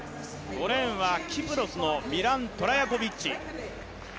５レーンはキプロスのミラン・トラヤコビッチ。